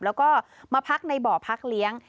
แล้วก็มาพักในบ่อพักเลี้ยง